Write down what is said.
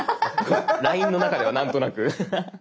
ＬＩＮＥの中ではなんとなく。